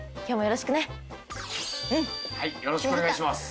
よろしくお願いします。